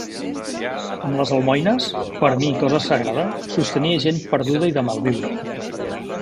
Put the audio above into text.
Amb les almoines, per a mi cosa sagrada, sostenia gent perduda i de malviure.